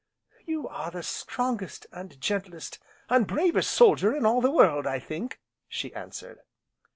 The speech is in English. "You are the strongest, and gentlest, and bravest soldier in all the world, I think!" she answered.